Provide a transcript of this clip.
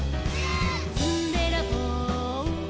「ずんべらぼう」「」